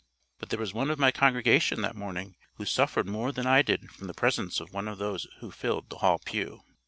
But there was one of my congregation that morning who suffered more than I did from the presence of one of those who filled the Hall pew.